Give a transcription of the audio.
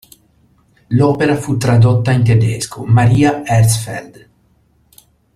L'opera fu tradotta in tedesco Maria Herzfeld.